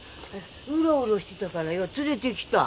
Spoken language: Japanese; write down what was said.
ウロウロしてたからよ連れてきた。